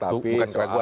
bukan keraguan ya